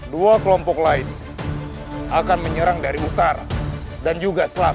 dua kelompok lain akan menyerang dari utara dan juga selat